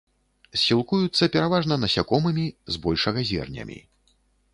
Сілкуюцца пераважна насякомымі, збольшага зернямі.